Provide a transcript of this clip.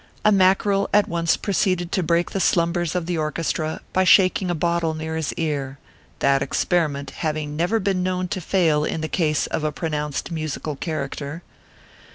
A Mackerel at once proceeded to break the slum bers of the orchestra, by shaking a bottle near his ear that experiment having never been known to fail in the case of a pronounced musical character.